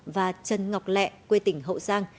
và trần ngọc lẹ quê tỉnh hậu giang